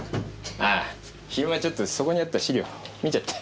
あ昼間ちょっとそこにあった資料見ちゃった。